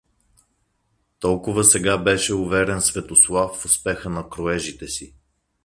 Толкова сега беше уверен Светослав в успеха на кроежите си.